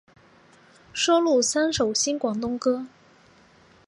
收录三首新广东歌。